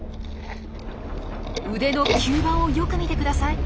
腕の吸盤をよく見てください。